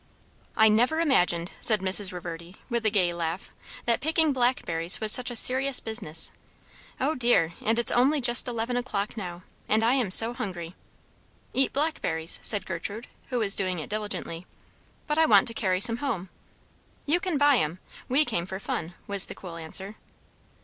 "I never imagined," said Mrs. Reverdy with a gay laugh, "that picking blackberries was such a serious business. O dear! and it's only just eleven o'clock now. And I am so hungry!" "Eat blackberries," said Gertrude, who was doing it diligently. "But I want to carry some home." "You can buy 'em. We came for fun," was the cool answer.